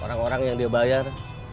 orang orang yang dia bayar